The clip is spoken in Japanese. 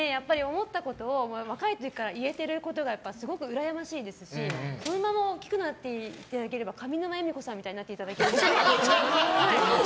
思ったことを若い時から言えてることがすごくうらやましいですしこのまま大きくなっていただいて上沼恵美子さんみたいになっていただければ。